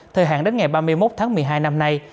thời hạn đến ngày ba mươi một tháng một mươi hai năm nay